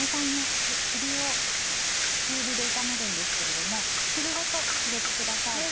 えびを中火で炒めるんですけれども汁ごと入れてください。